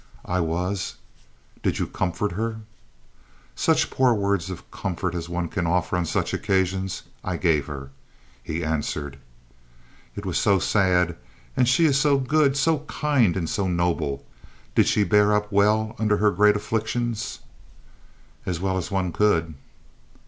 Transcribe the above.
"I was." "Did you comfort her?" "Such poor words of comfort as one can offer on such occasions, I gave her," he answered. "It was so sad, and she is so good, so kind and so noble. Did she bear up well under her great afflictions?" "As well as one could."